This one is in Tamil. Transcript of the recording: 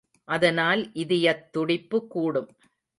அதனால் இதயத்துடிப்பு கூடும்!